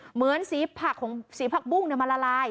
เหมือนสีผักของสีผักบุ้งมันละลาย